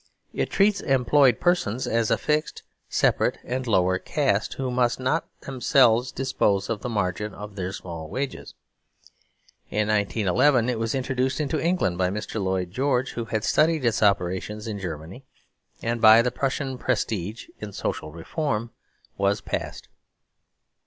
It treats employed persons as a fixed, separate, and lower caste, who must not themselves dispose of the margin of their small wages. In 1911 it was introduced into England by Mr. Lloyd George, who had studied its operations in Germany, and, by the Prussian prestige in "social reform," was passed.